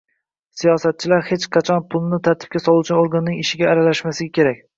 Xulosa: Siyosatchilar hech qachon pulni tartibga soluvchi organlarning ishiga aralashmasligi kerak